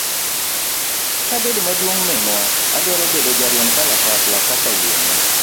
kabedo maduong' minwa adwaro bedo jariemb kalapapla kaka wuonwa.